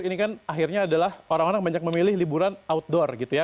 ini kan akhirnya adalah orang orang banyak memilih liburan outdoor gitu ya